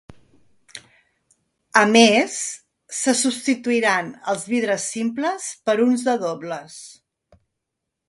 A més, se substituiran els vidres simples per uns de dobles.